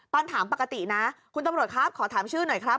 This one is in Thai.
ตอนถามปกตินะคุณตำรวจครับขอถามชื่อหน่อยครับ